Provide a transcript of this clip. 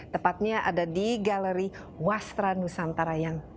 tepatnya ada di galeri wastra nusantara yang